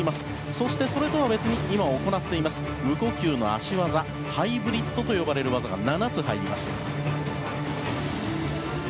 そしてそれとは別に今行っている無呼吸の脚技ハイブリッドと呼ばれる技が７つ入ります。